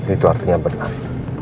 itu artinya benar